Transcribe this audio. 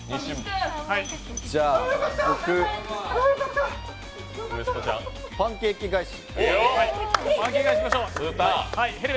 じゃ、僕、パンケーキ返し。